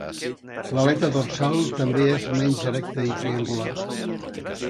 L'aleta dorsal també és menys erecta i triangular.